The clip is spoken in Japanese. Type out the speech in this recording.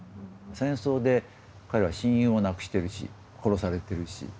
戦争で彼は親友を亡くしてるし殺されてるし。